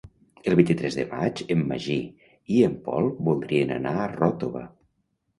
El vint-i-tres de maig en Magí i en Pol voldrien anar a Ròtova.